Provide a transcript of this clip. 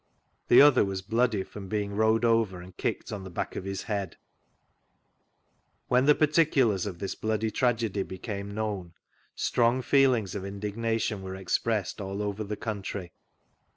TTie other was bloody from being rode over and kicked <» the bade of hb bead. vGoogIc ^) THREE ACCOUNTS OF PETERLOO When the particxUars of this bloody tragedy became known, strong feelings of indignation were expressed all over the country.